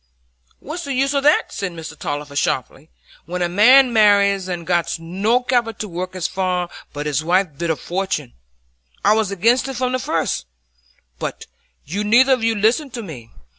"What's the use o' that," said Mr Tulliver, sharply, "when a man marries, and's got no capital to work his farm but his wife's bit o' fortin? I was against it from the first; but you'd neither of you listen to me.